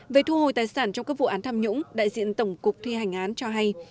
về thu hồi tài sản trong các vụ án tham nhũng đại diện tổng cục thi hành án cho hay